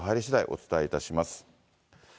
お伝えいたします。